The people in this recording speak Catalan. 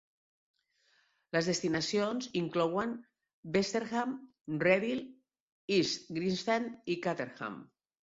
Les destinacions inclouen: Westerham, Redhill, East Grinstead i Caterham.